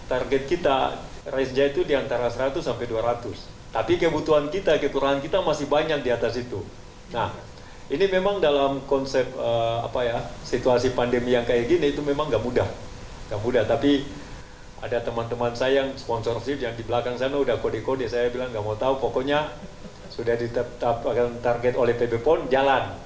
ada teman teman saya yang sponsor yang di belakang sana udah kode kode saya bilang gak mau tau pokoknya sudah ditarget oleh pb pon jalan